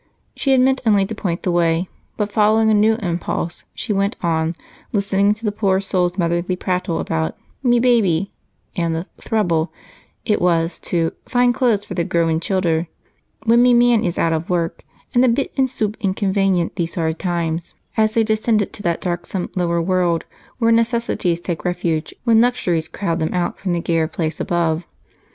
She had meant only to point the way, but, following a new impulse, she went on, listening to the poor soul's motherly prattle about "me baby" and the "throuble" it was to "find clothes for the growin' childer when me man is out av work and the bit and sup inconvaynient these hard times" as they descended to that darksome lower world where necessities take refuge when luxuries crowd them out from the gayer place above.